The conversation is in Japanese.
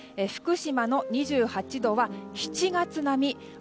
福島の２８度は７月並み。